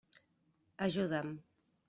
Ajuda'm.